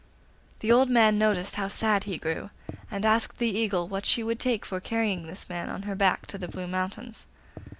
The old man noticed how sad he grew, and asked the Eagle what she would take for carrying this man on her back to the Blue Mountains.